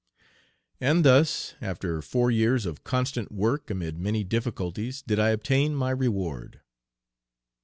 And thus after four years of constant work amid many difficulties did I obtain my reward.